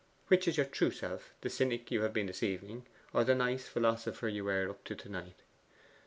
Which is your true self the cynic you have been this evening, or the nice philosopher you were up to to night?